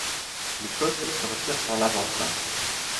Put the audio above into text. Le peuple se retire sur l'Aventin.